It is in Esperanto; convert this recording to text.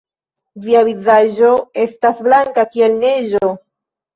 Via vizaĝo estas blanka kiel neĝo!